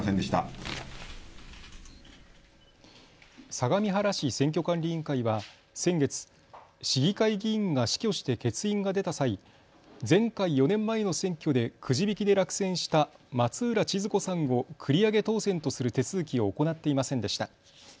相模原市選挙管理委員会は先月、市議会議員が死去して欠員が出た際、前回４年前の選挙でくじ引きで落選した松浦千鶴子さんを繰り上げ当選とする手続きを行っていませんでした。